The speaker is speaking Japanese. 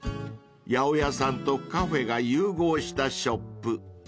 ［八百屋さんとカフェが融合したショップ］